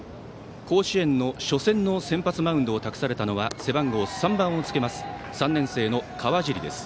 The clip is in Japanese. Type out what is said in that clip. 甲子園の初戦の先発マウンドを託されたのは背番号３番をつけます３年生の川尻です。